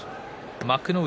幕内